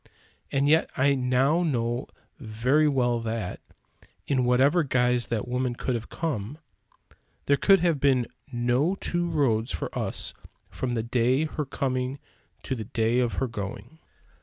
And yet I now know very well that, in whatever guise that woman could have come, there could have been no two roads for us from the day of her coming to the day of her going.